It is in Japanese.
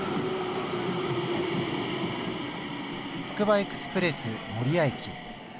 つくばエクスプレス守谷駅。